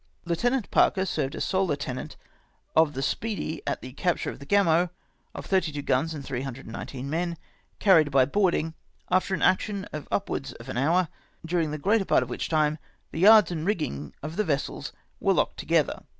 " Lieutenant Parker served as sole lieutenant of the Speedy at the capture of the Gamo, of 32 guns and 319 men, carried by boarding, after an action of upwards of an hour ; during the greatest part of which time the yards and rigging of the vessels were locked together.